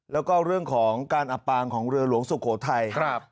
แล้วก็เรื่องของการอับปางของเรือหลวงสุโขทัย